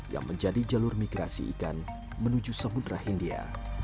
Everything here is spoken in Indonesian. yang menjadi jalur migrasi ikan menuju samudera hindia